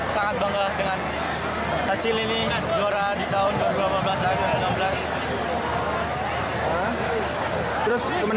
sangat bangga dengan hasil ini juara di tahun ke dua belas